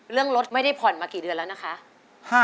เรื่องรถไม่ได้ผ่อนมากี่เดือนแล้วนะคะ